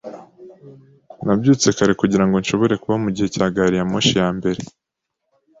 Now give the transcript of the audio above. Nabyutse kare kugirango nshobore kuba mugihe cya gari ya moshi ya mbere.